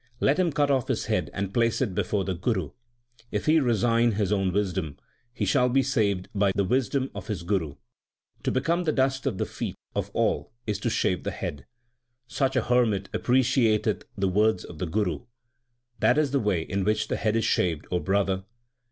Let him cut off his head and place it before his guru. If he resign his own wisdom, he shall be saved by the wisdom of his guru. To become the dust of the feet of all is to shave the head. Such a hermit appreciateth the words of the guru ; That is the way in which the head is shaved, O brother.